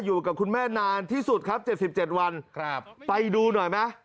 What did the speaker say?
อยู่กับคุณแม่นานที่สุดครับ๗๗วันไปดูหน่อยไหม